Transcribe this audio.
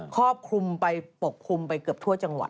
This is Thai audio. ครอบคลุมไปปกคลุมไปเกือบทั่วจังหวัด